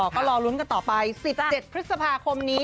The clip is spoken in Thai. ก็รอลุ้นกันต่อไป๑๗พฤษภาคมนี้